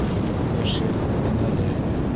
— Йәшел, энәле.